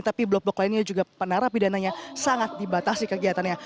tapi blok blok lainnya juga penara pidananya sangat dibatasi kegiatannya